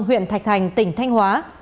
huyện thạch thành tỉnh thanh hóa